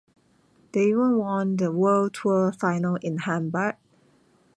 They even won the World Tour Final in Hamburg.